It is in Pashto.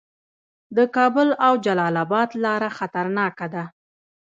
د کابل او جلال اباد لاره خطرناکه ده